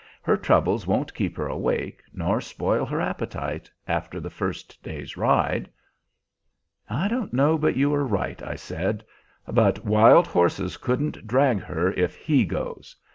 Her troubles won't keep her awake, nor spoil her appetite, after the first day's ride." "I don't know but you are right," I said; "but wild horses couldn't drag her if he goes.